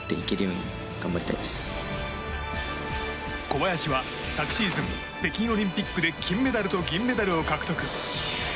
小林は昨シーズン北京オリンピックで金メダルと銀メダルを獲得。